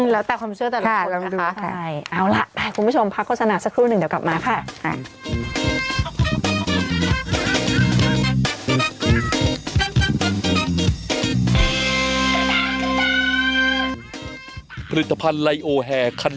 แล้วแต่ความเชื่อแต่ละคนนะคะใช่เอาล่ะไปคุณผู้ชมพักโฆษณาสักครู่หนึ่งเดี๋ยวกลับมาค่ะ